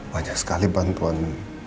banyak sekali bantuan